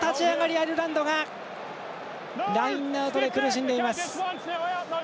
アイルランドがラインアウトで苦しんでいます。